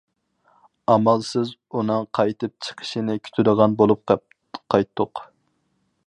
ئامالسىز ئۇنىڭ قايتىپ چىقىشىنى كۈتىدىغان بولۇپ قايتتۇق.